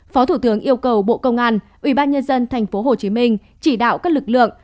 phó thủ tướng yêu cầu bộ công an ủy ban nhân dân tp hcm chỉ đạo các lực lượng